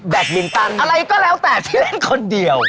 มินตันอะไรก็แล้วแต่ที่เล่นคนเดียว